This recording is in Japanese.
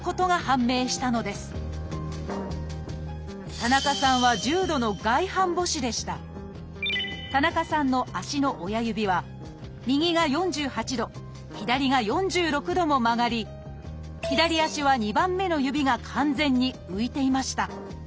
田中さんは田中さんの足の親指は右が４８度左が４６度も曲がり左足は２番目の指が完全に浮いていました。